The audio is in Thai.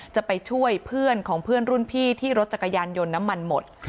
จะไปช่วยเพื่อนของเพื่อนรุ่นพี่ที่รถจักรยานยนต์น้ำมันหมด